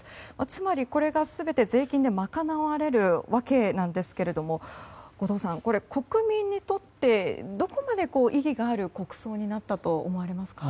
つまり、これが全て税金で賄われるわけなんですけれども後藤さん国民にとってどこまで意義がある国葬になったと思われますか？